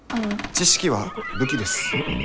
知識は武器です。